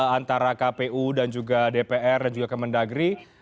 antara kpu dan juga dpr dan juga kementerian negeri